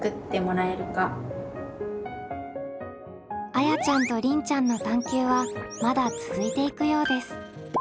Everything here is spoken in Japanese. あやちゃんとりんちゃんの探究はまだ続いていくようです。